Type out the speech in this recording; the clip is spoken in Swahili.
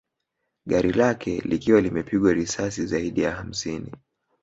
Gari lake likiwa limepigwa risasi zaidi ya hamsini